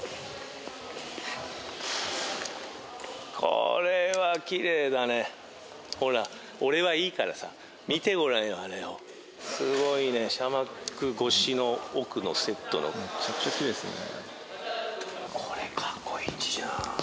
これほら俺はいいからさ見てごらんよあれをすごいね紗幕越しの奥のセットのめちゃくちゃきれいですね